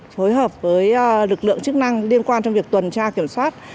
phối hợp với lực lượng chức năng liên quan trong việc tuần tra kiểm soát